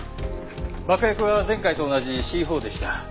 爆薬は前回と同じＣ−４でした。